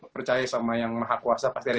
percaya sama yang maha kuasa pasti ada